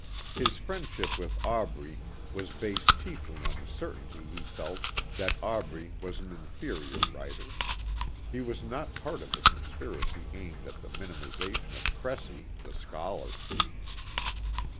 His friendship with Aubrey was based chiefly on the certainty he felt that Aubrey was an inferior writer. He was not part of the conspiracy aimed at the minimization of Cressy, the scholar.